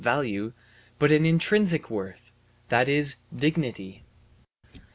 value, but an intrinsic worth, that is, dignity.